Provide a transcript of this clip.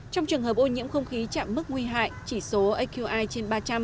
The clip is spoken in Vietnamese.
trong trường hợp ô nhiễm không khí chạm mức nguy hại chỉ số aqi trên ba trăm linh